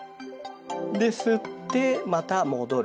で吸ってまた戻る。